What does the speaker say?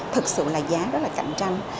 thật sự là giá rất là cạnh tranh